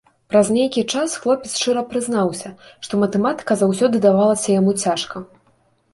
Праз нейкі час хлопец шчыра прызнаўся, што матэматыка заўсёды давалася яму цяжка.